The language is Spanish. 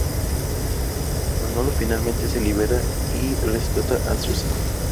Manolo finalmente se libera y rescata a Susan.